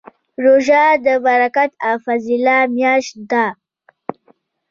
روژه د برکت او فضیله میاشت ده